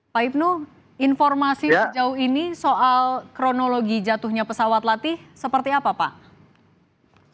pak ibnu informasi sejauh ini soal kronologi jatuhnya pesawat latih seperti apa pak